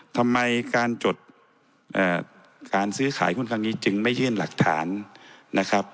ทำไมการจดการซื้อขายหุ้นครั้งนี้จึงไม่ยื่นหลักฐานนะครับ